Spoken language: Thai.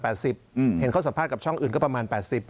เห็นเขาสัมภาษณ์กับช่องอื่นก็ประมาณ๘๐